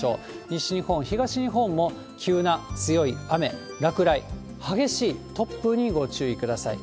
西日本、東日本も急な強い雨、落雷、激しい突風にご注意ください。